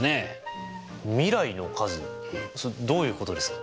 どういうことですか？